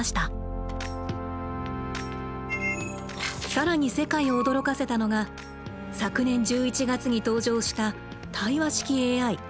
更に世界を驚かせたのが昨年１１月に登場した対話式ＡＩ「チャットＧＰＴ」。